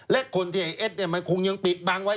และคนที่ไอ้เอ็ดคงยังปิดบังไว้